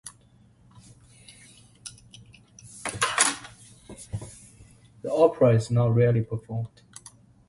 The opera is now rarely performed.